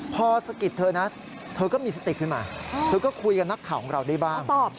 พอสะกิดเธอนะเธอก็มีสติกขึ้นมาเธอก็คุยกับนักข่าวของเราได้บ้าง